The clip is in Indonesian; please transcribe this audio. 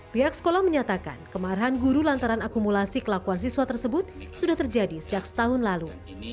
pihak sekolah menyatakan kemarahan guru lantaran akumulasi kelakuan siswa tersebut sudah terjadi sejak setahun lalu